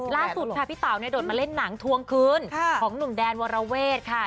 ล่าสุดค่ะพี่เต๋าเนี่ยโดดมาเล่นหนังทวงคืนของหนุ่มแดนวรเวทค่ะ